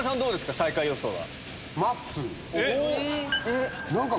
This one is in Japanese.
最下位予想は。